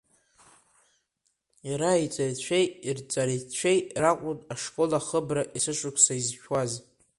Иара иҵаҩцәеи ирҵаҩцәеи ракәын ашкол ахыбра есышықәса изшәуаз.